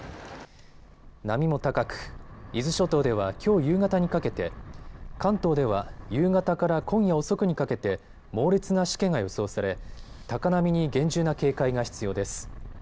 波も高く、伊豆諸島ではきょう夕方にかけて、関東では夕方から今夜遅くにかけて猛烈なしけが予想され高波に厳重な警戒が必要です。